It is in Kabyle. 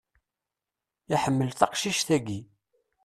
Iḥemmel taqcict-agi.